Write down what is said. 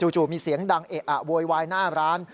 จู่มีเสียงดังเอะอะโวยวายหน้าร้าน